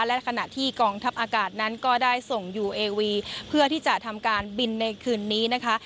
และขณะที่กองทัพอากาศนั้นก็ได้ส่งยูเอวีเพื่อที่จะทำการบินในคืนนี้นะคะ